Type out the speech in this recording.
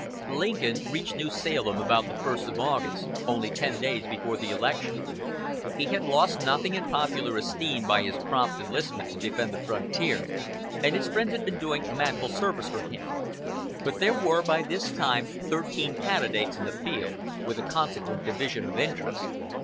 Lincoln reached New Salem about the first of August, only ten days before the election. He had lost nothing in popular esteem by his prompt enlistment to defend the frontier, and his friends had been doing manful service for him; but there were by this time thirteen candidates in the field, with a consequent division of interest.